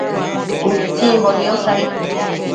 Utsimbo niosh aid